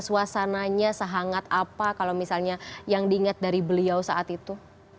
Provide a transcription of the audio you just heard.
suasananya sehangat apa kalau misalnya yang diingat dari beliau saat itu